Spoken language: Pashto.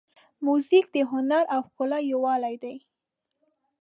موزیک د هنر او ښکلا یووالی دی.